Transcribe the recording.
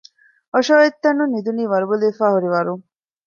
އޮށޮއޮތްތަނުން ނިދުނީ ވަރުބަލިވެފައިހުރިވަރުން